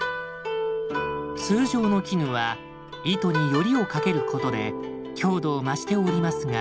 通常の絹は糸によりをかけることで強度を増して織りますが。